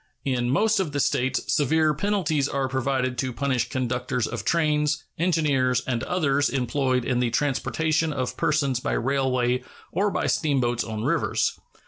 In most of the States severe penalties are provided to punish conductors of trains, engineers, and others employed in the transportation of persons by railway or by steamboats on rivers.